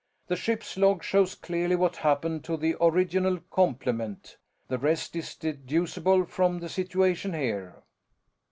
The ship's log shows clearly what happened to the original complement. The rest is deducible from the situation here."